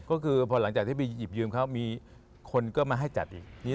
ก็คือพอหลังจากที่ไปหยิบยืมเขามีคนก็มาให้จัดอีก